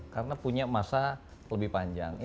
karena punya masa lebih panjang